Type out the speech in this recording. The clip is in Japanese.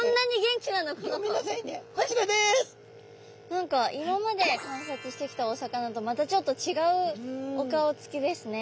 何か今まで観察してきたお魚とまたちょっと違うお顔つきですね。